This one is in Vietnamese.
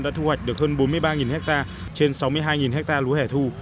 đã thu hoạch được hơn bốn mươi ba ha trên sáu mươi hai ha lúa hẻ thu